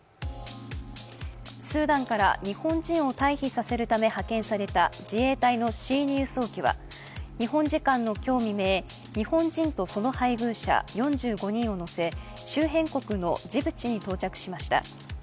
スーダンから日本人を退避させるため派遣された自衛隊のＣ２輸送機は日本時間の今日未明、日本人とその配偶者４５人を乗せ周辺国のジブチに到着しました。